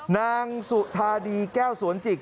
นางทดาวิแก้วสวนจิก